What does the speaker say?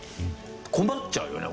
困っちゃうよね